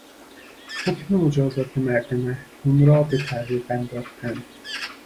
حکم مجازات مرد محکوم را به تعویق انداختن